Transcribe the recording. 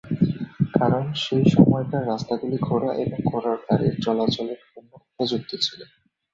কারণ সেই সময়কার রাস্তাগুলো ঘোড়া অথবা ঘোড়ার গাড়ির চলাচলের জন্য উপযুক্ত ছিল।